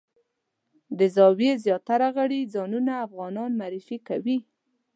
د زاویې زیاتره غړي ځانونه افغانان معرفي کوي.